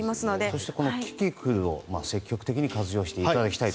そしてキキクルを積極的に活用していただきたいと。